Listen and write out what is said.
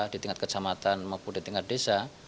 di tingkat kecamatan maupun di tingkat desa